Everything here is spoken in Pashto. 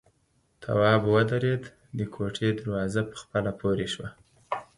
تواب ودرېد، د کوټې دروازه په خپله پورې شوه.